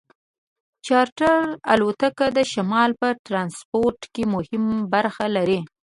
چارټر الوتکې د شمال په ټرانسپورټ کې مهمه برخه لري